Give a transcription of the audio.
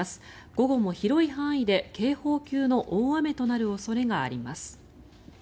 午後も広い範囲で警報級の大雨となる恐れがあります。